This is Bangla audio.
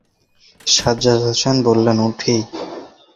সাজ্জাদ হোসেন বললেন, উঠি?